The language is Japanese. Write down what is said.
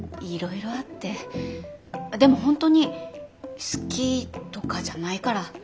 でも本当に好きとかじゃないから。